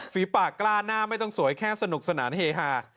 ฝีปากกล้าหน้าไม่ต้องสวยแค่สนุกสนานเฮฮา